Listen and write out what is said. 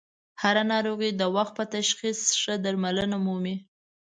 هر ه ناروغي د وخت په تشخیص ښه درملنه مومي.